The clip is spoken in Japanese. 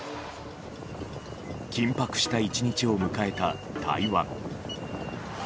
緊迫した１日を迎えた台湾。